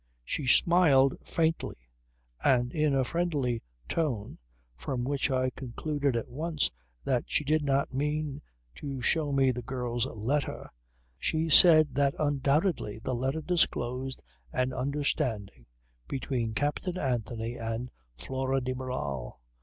She smiled faintly and in a friendly tone, from which I concluded at once that she did not mean to show me the girl's letter, she said that undoubtedly the letter disclosed an understanding between Captain Anthony and Flora de Barral.